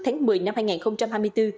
tháng một mươi năm hai nghìn hai mươi bốn